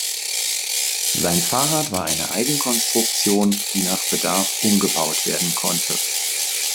Sein Fahrrad war eine Eigenkonstruktion, die nach Bedarf umgebaut werden konnte.